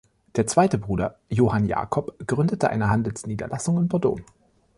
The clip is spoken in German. Der zweite Bruder Johann Jakob gründete eine Handelsniederlassung in Bordeaux.